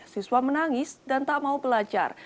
siswa menangis dan tak mau belajar